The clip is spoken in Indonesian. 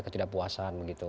ketidakpuasan meski begitu